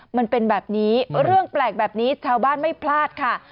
มันเป็นแบบนี้เรื่องแปลกแบบนี้ชาวบ้านไม่พลาดค่ะ